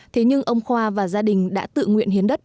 thế nhưng ông khoa và gia đình đã tự nguyện hiến đất